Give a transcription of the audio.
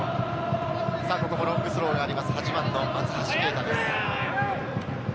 ここもロングスローがあります、松橋啓太です。